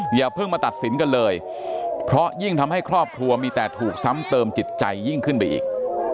อย่าเพิ่งมาตัดสินกันเลยเพราะยิ่งทำให้ครอบครัวมีแต่ถูกซ้ำเติมจิตใจยิ่งขึ้นไปอีก